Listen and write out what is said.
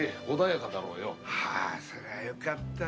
そりゃよかった。